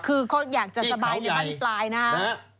คือเขาอยากจะสบายในบ้านปลายนะครับ